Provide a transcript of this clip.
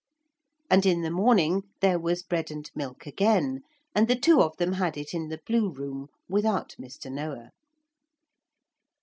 And in the morning there was bread and milk again, and the two of them had it in the blue room without Mr. Noah.